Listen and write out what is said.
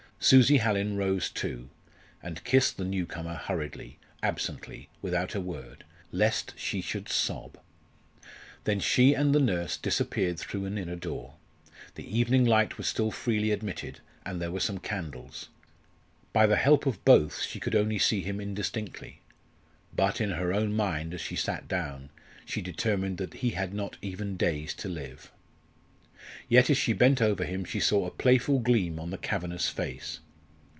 Susie Hallin rose too, and kissed the new comer hurriedly, absently, without a word, lest she should sob. Then she and the nurse disappeared through an inner door. The evening light was still freely admitted; and there were some candles. By the help of both she could only see him indistinctly. But in her own mind, as she sat down, she determined that he had not even days to live. Yet as she bent over him she saw a playful gleam on the cavernous face.